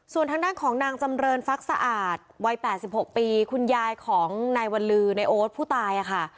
ส่วนทางด้านของนางจำเรินฟักสะอาดวัย๘๖ปีคุณยายของนายวัลลือในโอ๊ตผู้ตายค่ะ